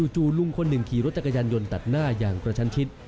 จู่ลุงคนหนึ่งขี่รถจักรยานยนต์ตัดหน้าอย่างกระชันชิด